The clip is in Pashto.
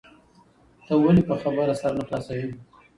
ته ولي په خبره سر نه خلاصوې؟